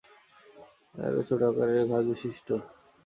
এটি ছোট আকারের ঘাস বিশিষ্ট।